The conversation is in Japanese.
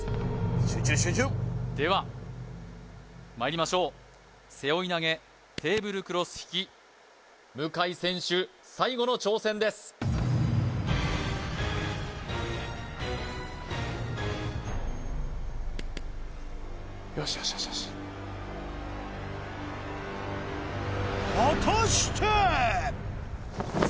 集中集中ではまいりましょう背負い投げテーブルクロス引き向選手最後の挑戦ですよしよしよしよし果たして？